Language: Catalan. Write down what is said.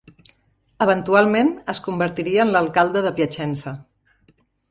Eventualment es convertiria en l'alcalde de Piacenza.